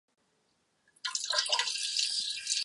Neexistoval makroekonomický dohled.